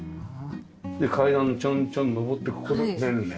階段ちょんちょん上ってここで寝るね。